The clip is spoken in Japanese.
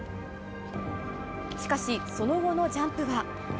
しかし、その後のジャンプは。